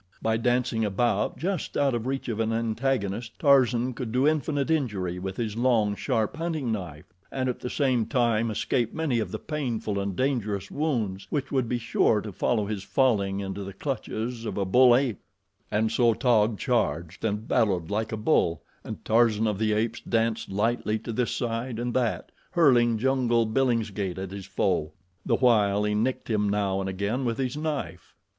By dancing about, just out of reach of an antagonist, Tarzan could do infinite injury with his long, sharp hunting knife, and at the same time escape many of the painful and dangerous wounds which would be sure to follow his falling into the clutches of a bull ape. And so Taug charged and bellowed like a bull, and Tarzan of the Apes danced lightly to this side and that, hurling jungle billingsgate at his foe, the while he nicked him now and again with his knife.